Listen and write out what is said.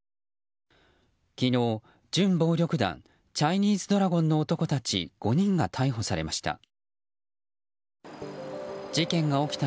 昨日、準暴力団チャイニーズドラゴンの男たち５人が逮捕されました。